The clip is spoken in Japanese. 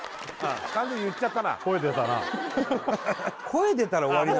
完全に言っちゃったな声出たな